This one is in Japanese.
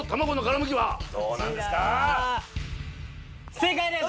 正解です！